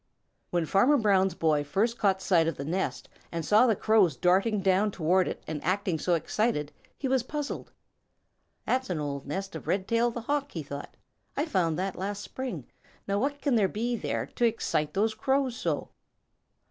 When Farmer Brown's boy first caught sight of the nest and saw the Crows darting down toward it and acting so excited, he was puzzled. "That's an old nest of Red tail the Hawk," thought he. "I found that last spring. Now what can there be there to excite those Crows so?"